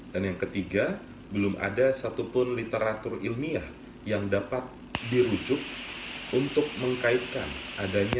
dan yang ketiga belum ada satupun literatur ilmiah yang dapat dirujuk untuk mengkaitkan adanya penuhi hak asasi manusia